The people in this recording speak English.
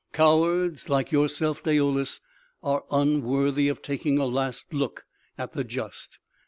Cowards like yourself, Daoulas, are unworthy of taking a last look at the just.